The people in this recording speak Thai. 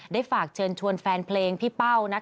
ได้ฝากเชิญชวนแฟนเพลงพี่เป้า